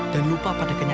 dan lupa pada kisah saya